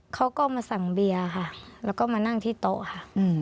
เขาก็มาสั่งเบียร์ค่ะแล้วก็มานั่งที่โต๊ะค่ะ